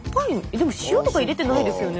でも塩とか入れてないですよね。